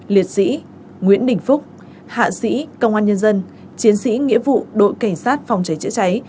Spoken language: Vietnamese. liệt sĩ nguyễn đình phúc hạ sĩ công an nhân dân chiến sĩ nghĩa vụ đội cảnh sát phòng cháy chữa cháy